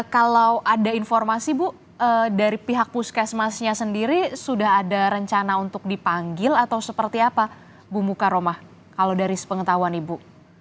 kalau ada informasi bu dari pihak puskesmasnya sendiri sudah ada rencana untuk dipanggil atau seperti apa bu mukaroma kalau dari sepengetahuan ibu